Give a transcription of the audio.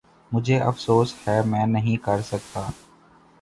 مجھے افسوس ہے میں نہیں کر سکتا۔